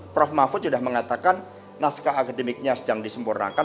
prof mahfud sudah mengatakan naskah akademiknya sedang disempurnakan